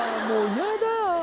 もう嫌だ。